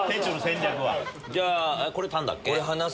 じゃあこれタンだっけ？